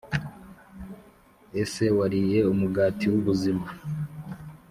Ese wariye umugati w ubuzima